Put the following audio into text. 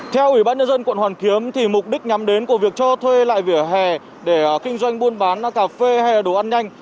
theo ủy ban nhân dân quận hoàn kiếm thì mục đích nhắm đến của việc cho thuê lại vỉa hè để kinh doanh buôn bán cà phê hay là đồ ăn nhanh